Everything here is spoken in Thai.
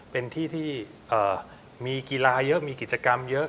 เป็นที่ที่มีกีฬาเยอะมีกิจกรรมเยอะ